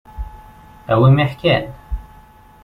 A wi i m-yeḥkan.